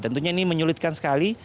tentunya ini menyulitkan sekali